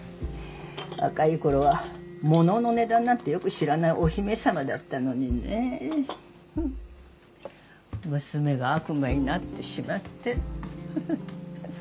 若いころは物の値段なんてよく知らないお姫さまだったのにねフン娘が悪魔になってしまってふふっ